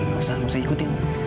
nggak usah nggak usah ikutin